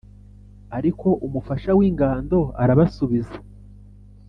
Ariko umufasha w’ingando arabasubiza